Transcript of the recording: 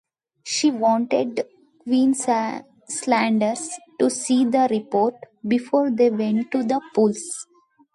She wanted Queenslanders to see the report before they went to the polls.